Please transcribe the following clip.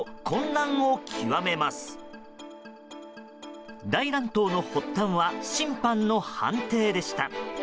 大乱闘の発端は審判の判定でした。